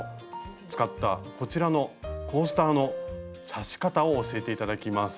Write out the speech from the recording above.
使ったこちらのコースターの刺し方を教えて頂きます。